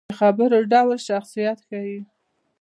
د خبرو ډول شخصیت ښيي